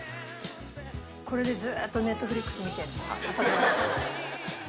これでずーっとＮｅｔｆｌｉｘ見てる。